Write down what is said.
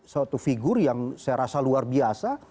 suatu figur yang saya rasa luar biasa